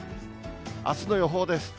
あすの予報です。